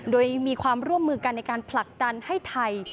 โดยมีความร่วมมือกันในการผลักดันให้ไทย